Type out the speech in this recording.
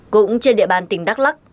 cũng trên địa bàn tỉnh đắk lắc